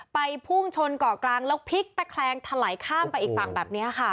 พุ่งชนเกาะกลางแล้วพลิกตะแคลงถลายข้ามไปอีกฝั่งแบบนี้ค่ะ